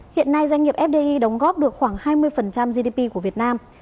hiện nay doanh nghiệp fdi đóng góp được khoảng hai mươi gdp của việt nam